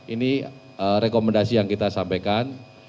ini rekomendasi yang kita sampaikan